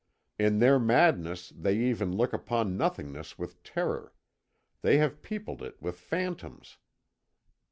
In their madness they even look upon nothingness with terror: they have peopled it with phantoms.